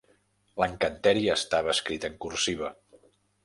L'encanteri estava escrit en cursiva.